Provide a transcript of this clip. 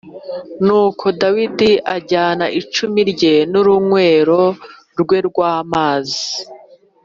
Nuko Dawidi ajyana icumu rye n’urunywero rwe rw’amazi